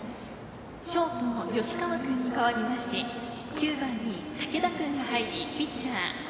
ショート吉川君に代わりまして９番に竹田君が入りピッチャー。